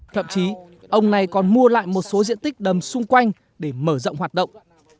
thậm chí ông này còn mua lại một số diện tích đầm xung quanh để mở rộng hoạt động